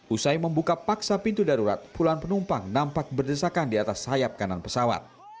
usai membuka paksa pintu darurat puluhan penumpang nampak berdesakan di atas sayap kanan pesawat